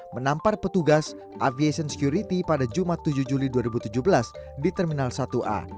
menampar petugas aviation security pada jumat tujuh juli dua ribu tujuh belas di terminal satu a